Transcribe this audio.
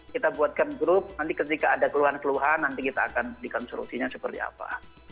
kita buatkan grup nanti ketika ada keluhan keluhan nanti kita akan dikonstruksinya seperti apa